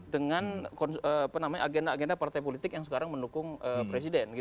dengan agenda agenda partai politik yang sekarang mendukung presiden